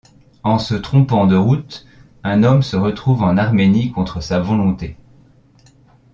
En se trompant de route, un homme se retrouve en Arménie contre sa volonté.